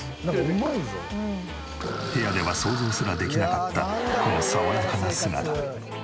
部屋では想像すらできなかったこの爽やかな姿。